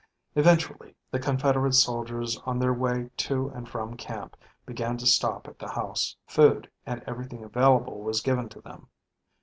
Eventually, the Confederate soldiers on their way to and from camp began to stop at the house. Food and everything available was given to them.